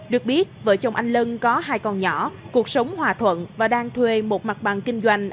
được biết vợ chồng anh lân có hai con nhỏ cuộc sống hòa thuận và đang thuê một mặt bằng kinh doanh